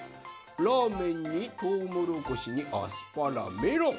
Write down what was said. ラーメンにとうもろこしにアスパラメロン。